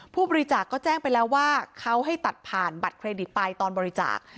ผู้บริจาคก็แจ้งไปแล้วว่าเขาให้ตัดผ่านบัตรเครดิตไปตอนบริจาค